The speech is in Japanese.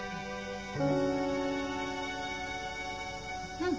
うん。